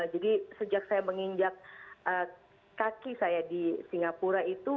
jadi sejak saya menginjak kaki saya di singapura itu